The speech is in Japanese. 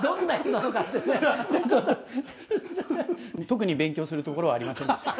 特に勉強するところはありませんでした。